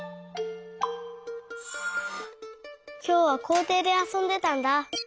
きょうはこうていであそんでたんだ。